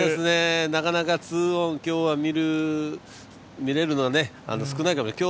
なかなか２オン、今日は見れるのは少ないかもしれない。